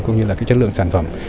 cũng như chất lượng sản phẩm